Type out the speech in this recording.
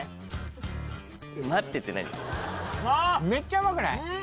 めっちゃうまくない？